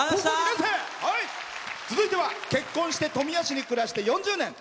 続いては結婚して富谷市に暮らして４０年。